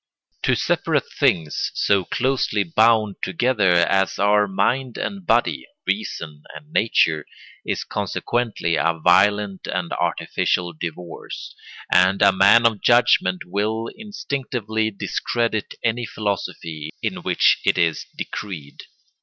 To separate things so closely bound together as are mind and body, reason and nature, is consequently a violent and artificial divorce, and a man of judgment will instinctively discredit any philosophy in which it is decreed.